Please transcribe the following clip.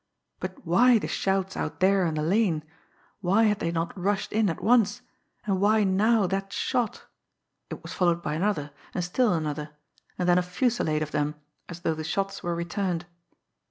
But why the shouts out there in the lane why had they not rushed in at once and why now that shot! It was followed by another, and still another and then a fusillade of them, as though the shots were returned.